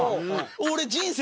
俺人生で。